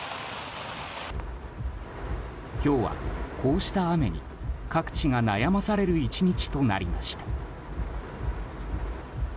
今日はこうした雨に、各地が悩まされる１日となりました。